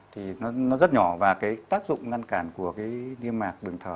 thì nó rất nhỏ và cái tác dụng ngăn cản của cái niêm mạc đường thở